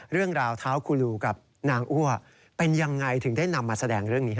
เรื่องราวเท้าคูลูกับนางอ้วเป็นยังไงถึงได้นำมาแสดงเรื่องนี้